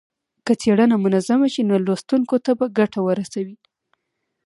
که څېړنه منظمه شي نو لوستونکو ته به ګټه ورسوي.